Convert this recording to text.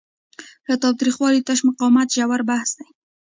له تاوتریخوالي تش مقاومت ژور بحث دی.